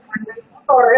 jangan jadi motor ya